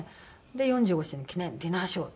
で「４５周年記念ディナーショー」！